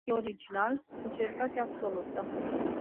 Mijlocul de a fi original: sinceritate absolută.